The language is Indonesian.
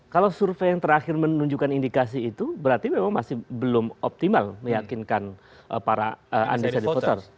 kalau survei yang terakhir menunjukkan indikasi itu berarti memang masih belum optimal meyakinkan para undecided voters